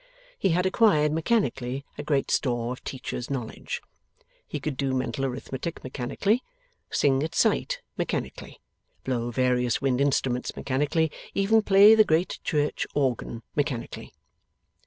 He had acquired mechanically a great store of teacher's knowledge. He could do mental arithmetic mechanically, sing at sight mechanically, blow various wind instruments mechanically, even play the great church organ mechanically.